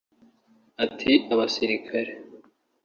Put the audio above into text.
Ati “Abasirikare